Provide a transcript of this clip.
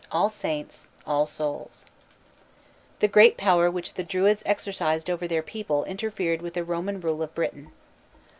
ALL SAINTS'. ALL SOULS' The great power which the Druids exercised over their people interfered with the Roman rule of Britain.